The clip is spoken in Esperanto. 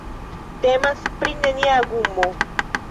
Temas pri nenia gumo.